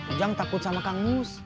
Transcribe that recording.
ujang takut sama kang mus